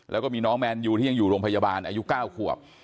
แล้วก็มีน้องแมนยูที่ยังอยู่โรงพยาบาลอายุ๙ขวบ